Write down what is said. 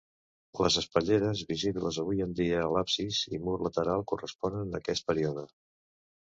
Les espitlleres visibles avui en dia a l'absis i mur lateral, corresponen a aquest període.